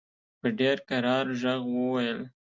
په ډېر کرار ږغ وویل.